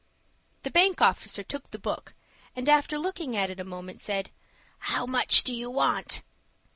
The bank officer took the book, and, after looking at it a moment, said, "How much do you want?"